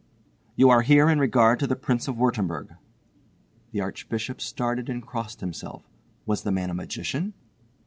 "You are here in regard to the Prince of Wurttemberg." The Archbishop started and crossed himself. Was the man a magician?